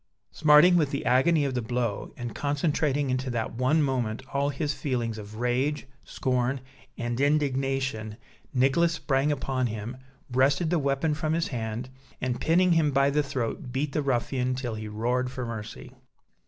Smarting with the agony of the blow, and concentrating into that one moment all his feelings of rage, scorn, and indignation, Nicholas sprang upon him, wrested the weapon from his hand, and pinning him by the throat beat the ruffian till he roared for mercy.